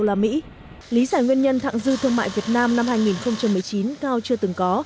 lý giải nguyên nhân thẳng dư thương mại việt nam năm hai nghìn một mươi chín cao chưa từng có